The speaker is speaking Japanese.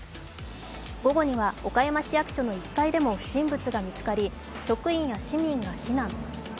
午後には岡山市役所の１階でも不審物が見つかり職員や市民が避難。